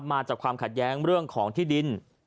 มาจากความขัดแย้งเรื่องของที่ดิน